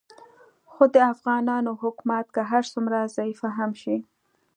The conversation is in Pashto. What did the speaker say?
خو د افغانانو حکومت که هر څومره ضعیفه هم شي